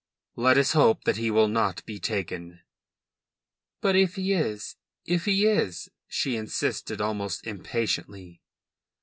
"Let us hope that he will not be taken." "But if he is if he is?" she insisted almost impatiently.